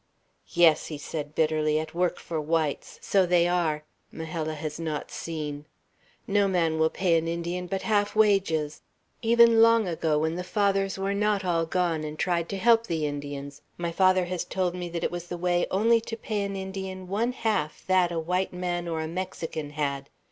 "Yes," he said bitterly, "at work for whites; so they are, Majella has not seen. No man will pay an Indian but half wages; even long ago, when the Fathers were not all gone, and tried to help the Indians, my father has told me that it was the way only to pay an Indian one half that a white man or a Mexican had.